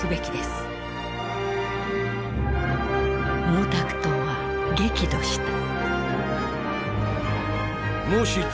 毛沢東は激怒した。